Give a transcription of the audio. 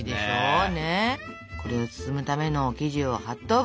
これを包むための生地を８等分。